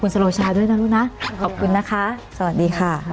สวัสดีค่ะ